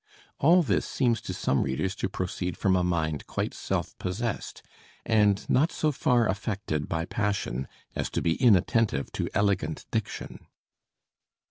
All this seems to some readers to proceed from a mind quite self possessed, and not so far affected by passion as to be inattentive to elegant diction.